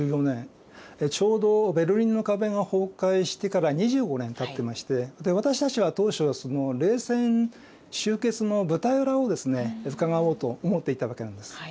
ちょうどベルリンの壁が崩壊してから２５年たってまして私たちは当初は冷戦終結の舞台裏をですねうかがおうと思っていたわけなんです。